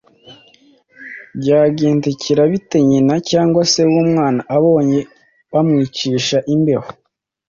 Byagendekera bite nyina cyangwa se w'umwana abonye bamwicisha imbeho,